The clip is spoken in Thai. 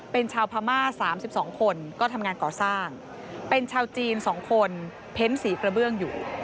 เป็นชาวพม่า๓๒คนก็ทำงานก่อสร้างเป็นชาวจีน๒คนเพ้นสีกระเบื้องอยู่